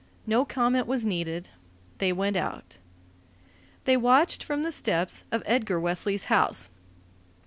No comment was needed. They went out. They watched from the steps of Edgar Wesley's house.